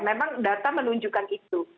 memang data menunjukkan itu